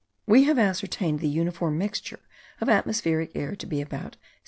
We have ascertained the uniform mixture of atmospheric air to be about 0.